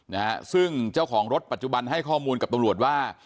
นะฮะซึ่งเจ้าของรถปัจจุบันให้ข้อมูลกับตำรวจว่า